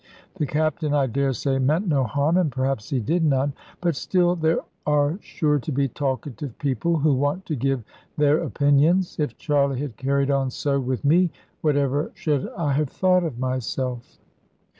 The Captain, I daresay, meant no harm, and perhaps he did none; but still there are sure to be talkative people who want to give their opinions. If Charley had carried on so with me, whatever should I have thought of myself?